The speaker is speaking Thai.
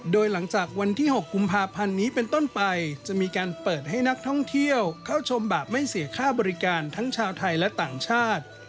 โดยหลังจากวันที่๖กุมภาพันธ์นี้เป็นต้นไปจะมีการเปิดให้นักท่องเที่ยวเข้าชมแบบไม่เสียค่าบริการทั้งชาวไทยและต่างชาติ